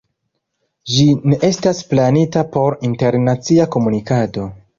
Ĝi ne estas planita por internacia komunikado.